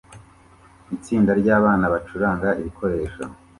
Itsinda ryabana bacuranga ibikoresho